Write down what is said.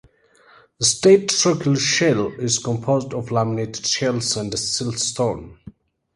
The State Circle Shale is composed of laminated shales and siltstone.